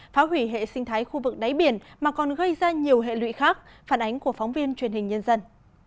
phá hủy hệ sinh thái khu vực đáy biển mà còn gây ra nhiều hệ lụy khác phản ánh của phóng viên truyền hình nhân dân